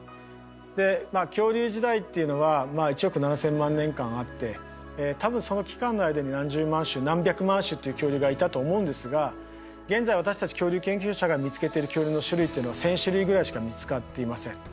でまあ恐竜時代っていうのは１億７，０００万年間あって多分その期間の間に何十万種何百万種っていう恐竜がいたと思うんですが現在私たち恐竜研究者が見つけている恐竜の種類っていうのは１，０００種類ぐらいしか見つかっていません。